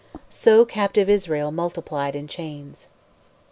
"So captive Israel multiplied in chains."